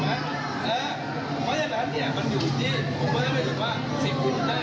ไม่ใช่ว่าธนาจการเป็นผู้ตัดสินไม่ได้